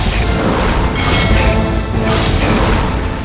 jangan lupa like share dan subscribe channel ini